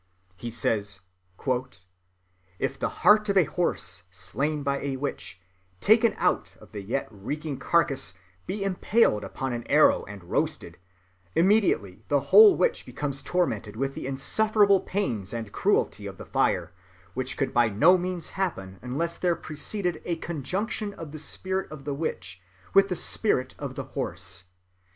"If," he says, "the heart of a horse, slain by a witch, taken out of the yet reeking carcase, be impaled upon an arrow and roasted, immediately the whole witch becomes tormented with the insufferable pains and cruelty of the fire, which could by no means happen unless there preceded a conjunction of the spirit of the witch with the spirit of the horse.